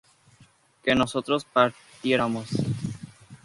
¿que nosotros partiéramos?